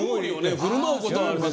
ふるまうことはあります。